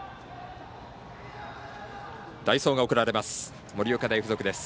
代走が送られます。